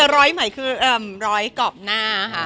ร้อยกรอบหน้าค่ะ